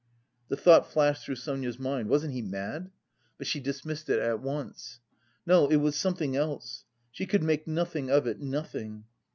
The thought flashed through Sonia's mind, wasn't he mad? But she dismissed it at once. "No, it was something else." She could make nothing of it, nothing.